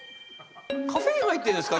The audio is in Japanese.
カフェイン入ってんですか？